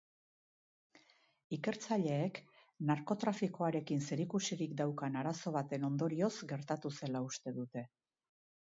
Ikertzaileek narkotrafikoarekin zerikusirik daukan arazo baten ondorioz gertatu zela uste dute.